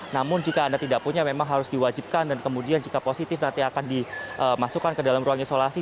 namun jika anda tidak punya memang harus diwajibkan dan kemudian jika positif nanti akan dimasukkan ke dalam ruang isolasi